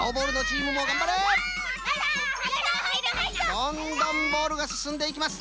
どんどんボールがすすんでいきます。